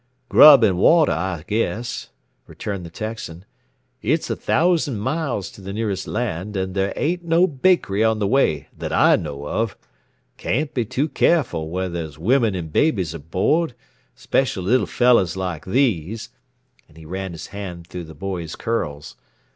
"Grub and water, I guess," returned the Texan. "It's a thousand miles to the nearest land, and there ain't no bakery on the way that I know of. Can't be too careful when there's women and babies aboard, especially little fellows like these " and he ran his hand through the boy's curls.